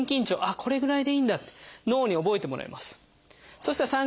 これぐらいでいいんだって脳に覚えてもらいます。